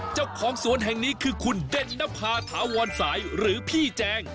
เจ้าของสวนแห่งนี้คือคุณเด่นนภาถาวรสายหรือพี่แจง